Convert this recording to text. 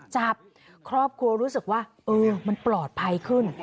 จับครอบครัวรู้สึกว่าเออมันปลอดภัยขึ้น